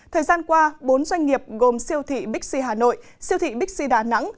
thời gian qua bốn doanh nghiệp gồm siêu thị bixi hà nội siêu thị bixi đà nẵng